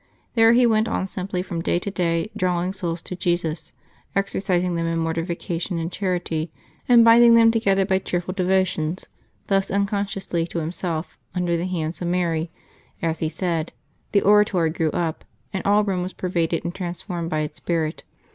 There he went on simply from day to day, drawing souls to Jesus, exercising them in mortification and charity, and binding them together by cheerful devotions ; thus, uncon sciously to himself, under the hands of Mary, as he said, the Oratory grew up, and all Eome was pervaded and trans formed by its spirit.